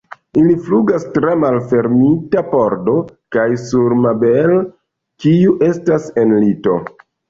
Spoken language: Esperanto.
Ili flugas tra malfermita pordo kaj sur Mabel, kiu estas en lito.